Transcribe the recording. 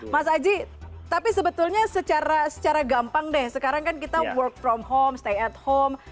mas aji tapi sebetulnya secara gampang deh sekarang kan kita work from home stay at home